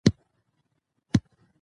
اوس هر هيواد خپل کرکټ ټيم لري.